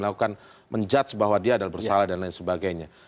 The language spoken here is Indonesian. melakukan menjudge bahwa dia adalah bersalah dan lain sebagainya